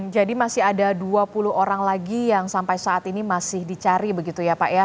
jadi masih ada dua puluh orang lagi yang sampai saat ini masih dicari begitu ya pak eka